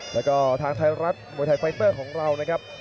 แล้วก็ทางไทยรัฐมวยไทยไฟเตอร์ของเรานะครับ